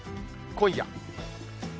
今夜。